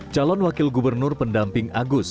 calon wakil gubernur pendamping agus